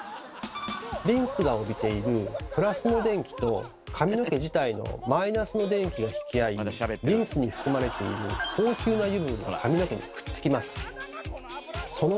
リンスが帯びているプラスの電気と髪の毛自体のマイナスの電気が引き合いリンスに含まれているやっぱ無理！